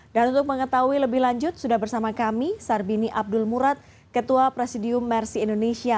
dan untuk mengetahui lebih lanjut sudah bersama kami sarbini abdul murad ketua presidium mersi indonesia